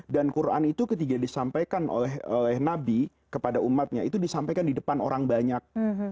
dan quran itu ketika disampaikan oleh nabi kepada umatnya itu disampaikan di depan orang banyak